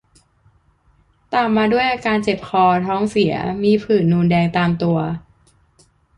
ตามมาด้วยอาการเจ็บคอ ท้องเสีย มีผื่นนูนแดงตามตัว